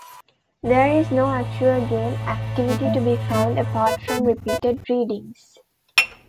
There is no actual game activity to be found apart from repeated readings.